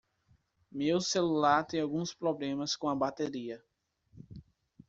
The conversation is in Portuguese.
Meu celular tem alguns problemas com a bateria.